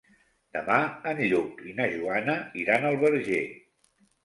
Demà en Lluc i na Joana iran al Verger.